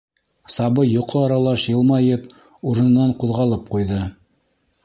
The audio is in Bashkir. Сабый йоҡо аралаш йылмайып, урынынан ҡуҙғалып ҡуйҙы.